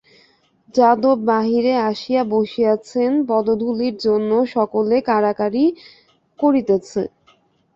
যাদব বাহিরে আসিয়া বসিয়াছেন, পদধূলির জন্য সকলে কাড়াকড়ি করিতেছে।